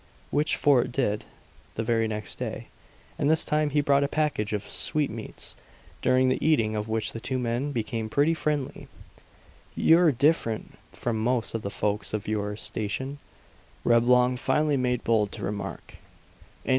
Which Fort did, the very next day. And this time he brought a package of sweetmeats, during the eating of which the two men became pretty friendly. "You're different from most of the folks of your station," Reblong finally made bold to remark.